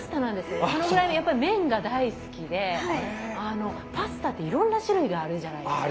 そのぐらいやっぱ麺が大好きでパスタっていろんな種類があるじゃないですか。